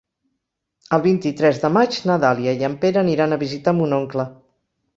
El vint-i-tres de maig na Dàlia i en Pere aniran a visitar mon oncle.